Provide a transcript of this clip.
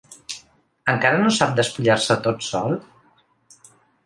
Encara no sap despullar-se tot sol?